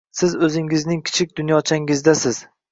Siz o’zingizning kichik dunyochangizdasiz.